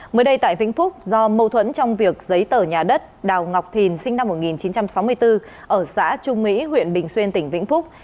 mới đây tại vĩnh phúc do mâu thuẫn trong việc giấy tờ nhà đất đào ngọc thìn sinh năm một nghìn chín trăm sáu mươi bốn ở xã trung mỹ huyện bình xuyên tỉnh vĩnh phúc